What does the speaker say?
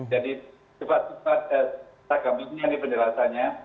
jadi cepat cepat kita akan mencari penjelasannya